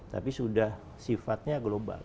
tapi sudah sifatnya global